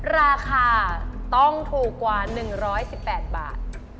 ราคาต้องถูกกว่า๑๑๘บาท